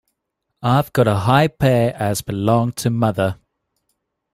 I've got a high pair as belonged to mother.